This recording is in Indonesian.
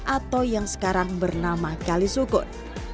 atau yang sekarang bernama kali sukun